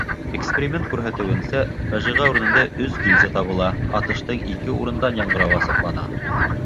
Эксперимент күрһәтеүенсә, фажиғә урынында өс гильза табыла, атыштың ике урындан яңғырауы асыҡлана.